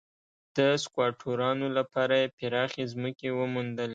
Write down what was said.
د سکواټورانو لپاره یې پراخې ځمکې وموندلې.